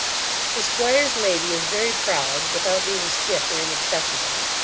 The 'squire's lady is very proud, without being stiff or inaccessible.